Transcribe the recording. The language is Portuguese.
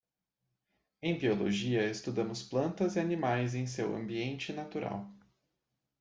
Em biologia, estudamos plantas e animais em seu ambiente natural.